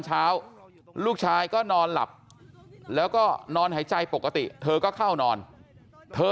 เช้าลูกชายก็นอนหลับแล้วก็นอนหายใจปกติเธอก็เข้านอนเธอ